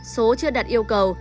số chưa đặt yêu cầu